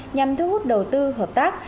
nhằm thu hút đầu tư hợp tác